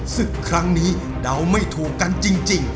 ศึกครั้งนี้เดาไม่ถูกกันจริง